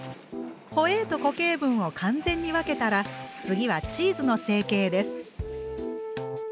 ホエーと固形分を完全に分けたら次はチーズの成形です。